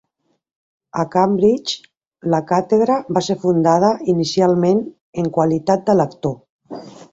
A Cambridge la càtedra va ser fundada inicialment en qualitat de lector.